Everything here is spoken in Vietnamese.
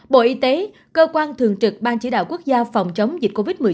bộ y tế cơ quan thường trực ban chỉ đạo quốc gia phòng chống dịch covid một mươi chín